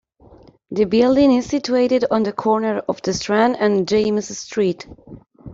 The building is situated on the corner of The Strand and James Street.